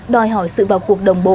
đòi hỏi sự vào cuộc đồng bộ